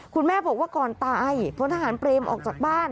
คุณแม่บอกว่าก่อนตายพลทหารเปรมออกจากบ้าน